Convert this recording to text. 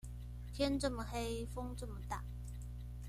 天這麼黑，風這麼大